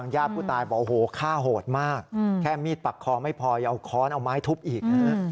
อย่าเอาค้อนเอาไม้ทุบอีก